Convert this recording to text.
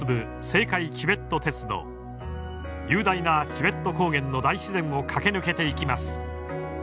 雄大なチベット高原の大自然を駆け抜けていきます。